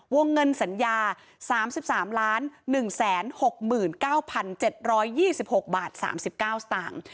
วงเงินสัญญา๓๓๑๖๙๗๒๖บาท๓๙สตางค์